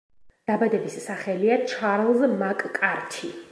დაბადების სახელია ჩარლზ მაკ-კართი.